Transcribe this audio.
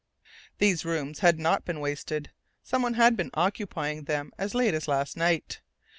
These rooms had not been wasted! Someone had been occupying them as late as last night!